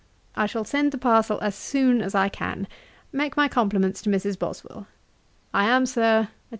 I shall send the parcel as soon as I can. Make my compliments to Mrs. Boswell. 'I am, Sir, &c.